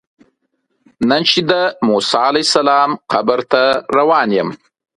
نن چې د موسی علیه السلام قبر ته روان یم.